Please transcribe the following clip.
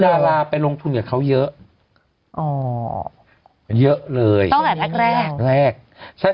ดาราไปลงทุนกับเขาเยอะอ๋อเยอะเลยตั้งแต่แรกแรก